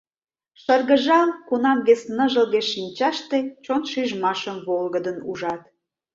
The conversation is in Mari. Шыргыжал, Кунам вес ныжылге шинчаште Чон шижмашым волгыдын ужат.